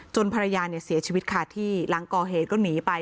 ภรรยาเนี่ยเสียชีวิตค่ะที่หลังก่อเหตุก็หนีไป